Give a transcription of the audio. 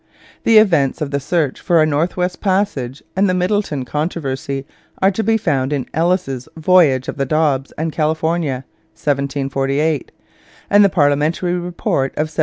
The events of the search for a North West Passage and the Middleton Controversy are to be found in Ellis's Voyage of the Dobbs and California (1748) and the Parliamentary Report of 1749.